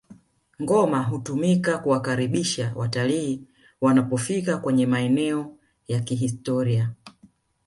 ngoma hutumika kuwakaribisha watalii wanapofika kwenye maeneo ya kihistoria